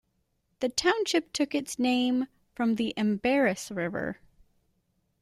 The township took its name from the Embarrass River.